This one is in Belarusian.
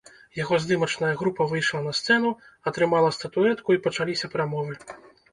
Яго здымачная група выйшла на сцэну, атрымала статуэтку і пачаліся прамовы.